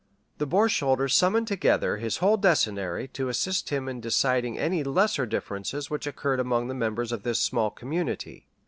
The borsholder summoned together his whole decennary to assist him in deciding any lesser differences which occurred among the members of this small community.